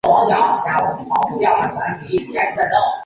弓对臂虫为海绵盘虫科对臂虫属的动物。